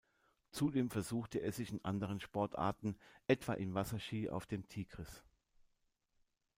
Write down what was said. Zudem versuchte er sich in anderen Sportarten, etwa im Wasserski auf dem Tigris.